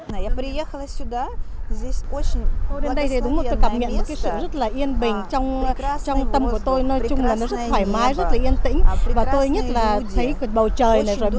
đến đây thì đúng một tôi cảm nhận một cái sự rất là yên bình trong tâm của tôi nói chung là nó rất thoải mái rất là yên tĩnh và tôi nhất là thấy cái bầu trời này